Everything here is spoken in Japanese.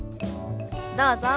どうぞ。